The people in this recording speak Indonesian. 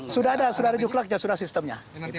sudah ada sudah ada juklak sudah ada sistemnya